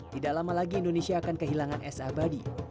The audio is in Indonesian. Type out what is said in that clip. tidak lama lagi indonesia akan kehilangan es abadi